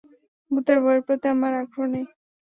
ভূতের বইয়ের প্রতি আমার আগ্রহ নেই।